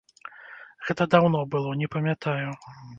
Гэта даўно было, не памятаю.